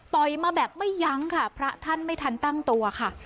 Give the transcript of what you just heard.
มาแบบไม่ยั้งค่ะพระท่านไม่ทันตั้งตัวค่ะ